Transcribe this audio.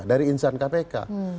dari insan kpk